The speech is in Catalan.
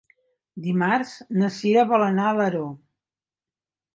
Dimarts na Sira vol anar a Alaró.